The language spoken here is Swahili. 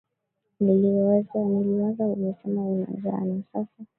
Niliwaza umesema unanjaa. Na sasa?